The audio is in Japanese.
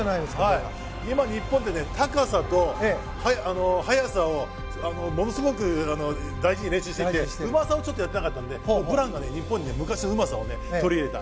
今、日本で高さと速さをものすごく大事に練習してきてうまさをやってなかったのでブランが日本に昔のうまさを取り入れた。